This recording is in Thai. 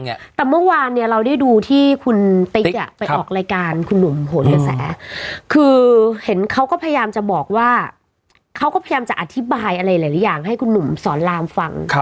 แต่เมื่อวานเนี่ยเราได้ดูที่คุณติ๊กอ่ะไปออกรายการคุณหนุ่มโหนกระแสคือเห็นเขาก็พยายามจะบอกว่าเขาก็พยายามจะอธิบายอะไรหลายอย่างให้คุณหนุ่มสอนรามฟัง